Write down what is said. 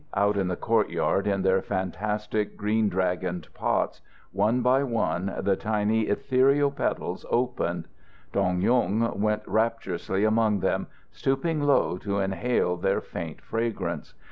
Out in the courtyard in their fantastic green dragoned pots, one by one the tiny, ethereal petals opened. Dong Yung went rapturously among them, stooping low to inhale their faint fragrance.